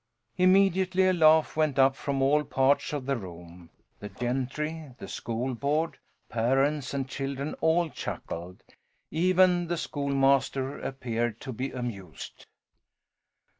Immediately a laugh went up from all parts of the room. The gentry, the School Board, parents and children all chuckled. Even the schoolmaster appeared to be amused.